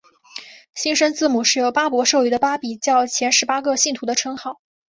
新生字母是由巴孛授予的巴比教前十八个信徒的称号。